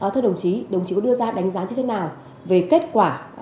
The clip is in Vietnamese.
thưa đồng chí đồng chí có đưa ra đánh giá như thế nào về kết quả